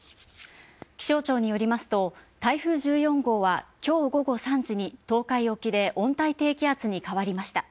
気象庁によりますと台風１４号は今日午後３時に東海沖で温帯低気圧に変わりました。